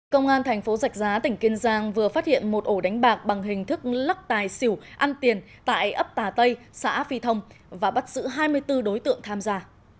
công an thành phố giạch giá tỉnh kiên giang vừa phát hiện một ổ đánh bạc bằng hình thức lắc tài xỉu ăn tiền tại ấp tà tây xã phi thông và bắt giữ hai mươi bốn đối tượng tham gia